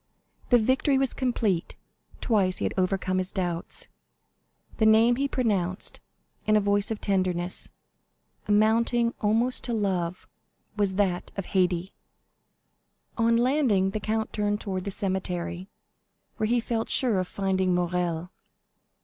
The victory was complete; twice he had overcome his doubts. The name he pronounced, in a voice of tenderness, amounting almost to love, was that of Haydée. On landing, the count turned towards the cemetery, where he felt sure of finding Morrel.